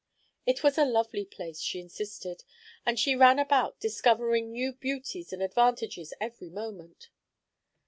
It was a lovely place, she insisted, and she ran about discovering new beauties and advantages every moment.